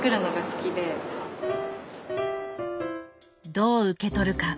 どう受け取るか。